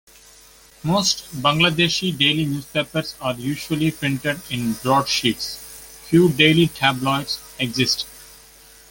Most Bangladeshi daily newspapers are usually printed in broadsheets; few daily tabloids exist.